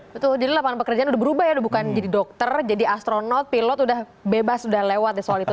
betul jadi lapangan pekerjaan udah berubah ya udah bukan jadi dokter jadi astronot pilot udah bebas udah lewat soal itu